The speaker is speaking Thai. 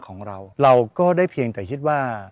ของเราเราก็ได้เพียงแต่คิดว่า